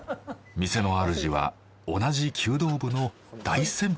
店の主は同じ弓道部の大先輩。